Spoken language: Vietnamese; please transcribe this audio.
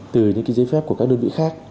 từ những cái giấy phép của các đơn vị khác